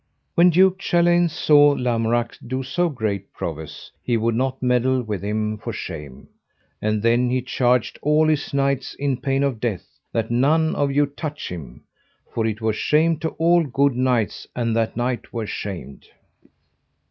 When Duke Chaleins saw Lamorak do so great prowess he would not meddle with him for shame; and then he charged all his knights in pain of death that none of you touch him; for it were shame to all good knights an that knight were shamed.